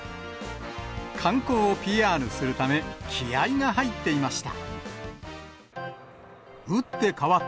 観光をＰＲするため、気合いが入っていました。